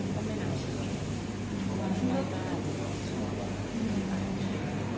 เพราะว่าถ้าเป็นแม่นนคนนี่